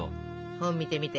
本見てみて！